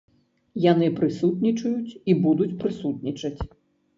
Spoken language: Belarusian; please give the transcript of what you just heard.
Яны прысутнічаюць і будуць прысутнічаць.